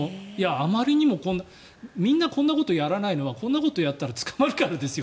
あまりにもみんなこんなことやらないのはこんなことやったら捕まるからですよ。